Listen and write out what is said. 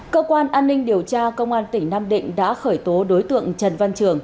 cơ quan an ninh điều tra công an tỉnh nam định đã khởi tố đối tượng trần văn trường